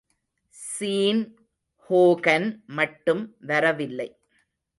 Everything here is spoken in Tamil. ஸீன் ஹோகன் மட்டும் வரவில்லை.